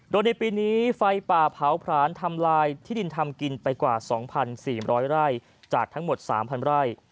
โดยในปีนี้ไฟป่าเผาผลานทำลายที่ดินทำกินไปกว่า๒๔๐๐ไร่จากทั้งหมด๓๐๐ไร่